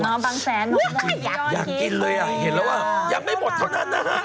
บางแสนหนูหน่อยอยากกินเลยอ่ะเห็นแล้วอ่ะยังไม่หมดเท่านั้นนะฮะ